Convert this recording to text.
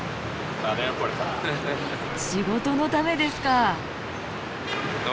仕事のためですか！